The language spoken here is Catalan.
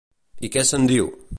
I què se'n diu?